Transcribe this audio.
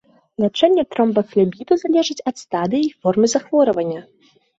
Лячэнне тромбафлебіту залежыць ад стадыі і формы захворвання.